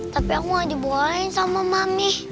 tapi aku gak dibuangin sama mami